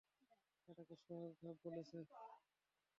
এটাকে সহজ ধাপ বলছ?